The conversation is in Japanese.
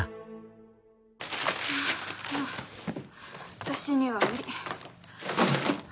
ああ私には無理。